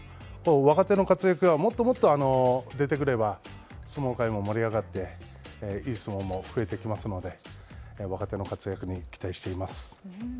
若手の活躍がもっともっと出てくれば相撲界も盛り上がって、いい相撲も増えてきますので若手の活躍に期待しています。